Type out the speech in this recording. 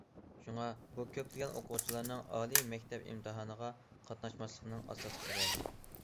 شۇڭا بۇ كۆپلىگەن ئوقۇغۇچىلارنىڭ ئالىي مەكتەپ ئىمتىھانىغا قاتناشماسلىقىنىڭ ئاساسلىق سەۋەبى.